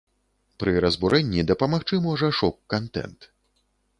Пры разбурэнні дапамагчы можа шок-кантэнт.